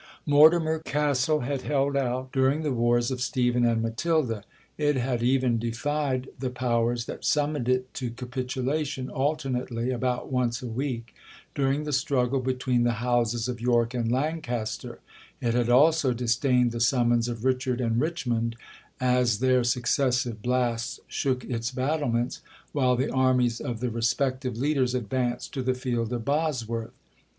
Mortimer castle had held out during the wars of Stephen and Matilda,—it had even defied the powers that summoned it to capitulation alternately, (about once a week), during the struggle between the houses of York and Lancaster,—it had also disdained the summons of Richard and Richmond, as their successive blasts shook its battlements, while the armies of the respective leaders advanced to the field of Bosworth.